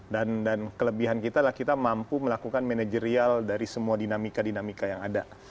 dan kelebihan kita adalah kita mampu melakukan manajerial dari semua dinamika dinamika yang ada